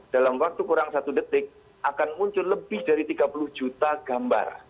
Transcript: dalam waktu kurang satu detik akan muncul lebih dari tiga puluh juta gambar